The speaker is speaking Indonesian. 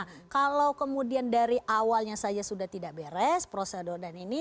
nah kalau kemudian dari awalnya saja sudah tidak beres prosedur dan ini